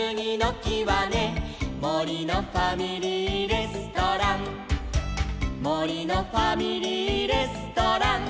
「もりのファミリーレストラン」「もりのファミリーレストラン」